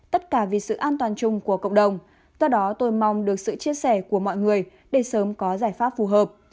tất cả vì sự an toàn chung của cộng đồng do đó tôi mong được sự chia sẻ của mọi người để sớm có giải pháp phù hợp